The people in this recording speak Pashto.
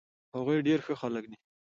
هغوي ډير ښه خلک دي